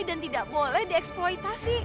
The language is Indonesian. dan tidak boleh dieksploitasi